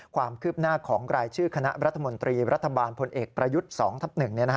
ความคืบหน้าของรายชื่อคณะรัฐมนตรีรัฐบาลพลเอกประยุทธ์๒ทับ๑